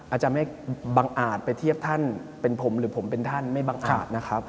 อาจารย์ไม่บังอาจไปเทียบท่านเป็นผมหรือผมเป็นท่านไม่บังอาจนะครับ